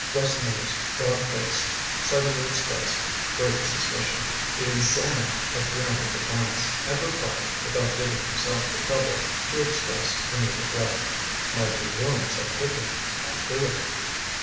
Rasseneur's broad face suddenly expressed great suspicion. He examined Étienne with a glance, and replied, without giving himself the trouble to express any regret: "My two rooms are taken. Can't do it."